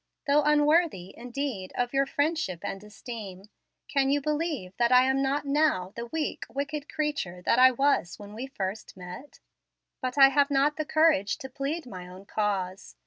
Though unworthy, indeed, of your friendship and esteem, can you believe that I am not now the weak, wicked creature that I was when we first met? But I have not the courage to plead my own cause.